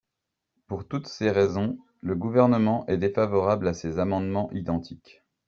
Pour toutes ces raisons, le Gouvernement est défavorable à ces amendements identiques.